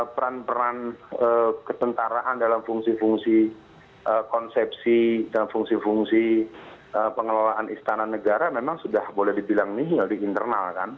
peran peran ketentaraan dalam fungsi fungsi konsepsi dan fungsi fungsi pengelolaan istana negara memang sudah boleh dibilang nihil di internal kan